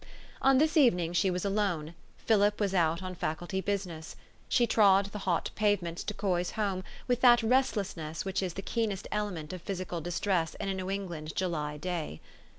On this evening she was alone : Philip was out on Faculty business. She trod the hot pavements to Coy's home with that restlessness which is the keenest element of physical distress in a New Eng land July day.